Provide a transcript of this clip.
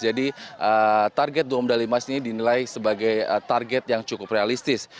jadi target dua medali emas ini dinilai sebagai target yang cukup realistis